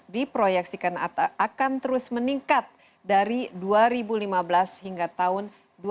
diproyeksikan akan terus meningkat dari dua ribu lima belas hingga tahun dua ribu dua puluh